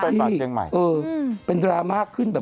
ช่วยไปฝากเกียงใหม่